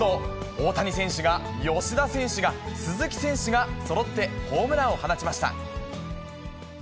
大谷選手が、吉田選手が、鈴木選手が、そろってホームランを放ちました。